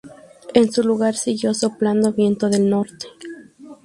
En su lugar siguió soplando viento del norte.